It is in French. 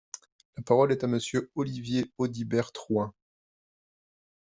La parole est à Monsieur Olivier Audibert Troin.